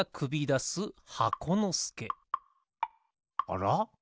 あら？